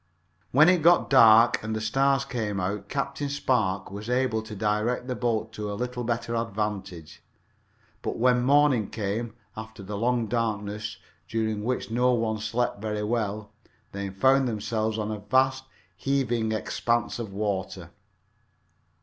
When it got dark and the stars came out Captain Spark was able to direct the boat to a little better advantage, but when morning came, after the long darkness, during which no one had slept well, they found themselves on a vast, heaving expanse of water.